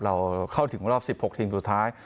เราเข้าถึงรอบ๑๖ทีมสุดท้าย